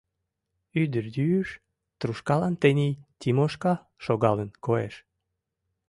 Ӱдырйӱыш трушкалан тений Тимошка шогалын, коеш.